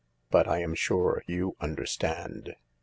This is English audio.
But I am sure you understand.